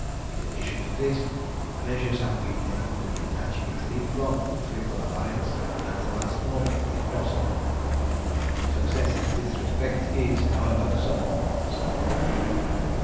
In addition to this, measures have been taken to detach Italy from the Triple Alliance at the last moment, if possible. Success in this respect is, however, somewhat uncertain.